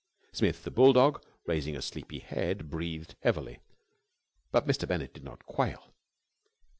Smith, the bull dog, raising a sleepy head, breathed heavily; but Mr. Bennett did not quail.